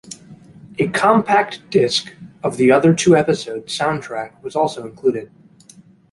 A compact disc of the other two episodes' soundtracks was also included.